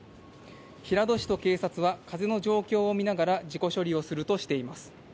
平戸市と警察は、風の状況を見ながら事故処理をするとしています。